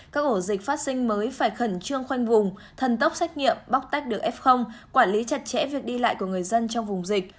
các ổ dịch phát sinh mới phải khẩn trương khoanh vùng thần tốc xét nghiệm bóc tách được f quản lý chặt chẽ việc đi lại của người dân trong vùng dịch